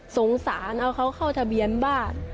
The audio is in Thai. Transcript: สงสารเอาเขาเข้าทะเบียนบ้าน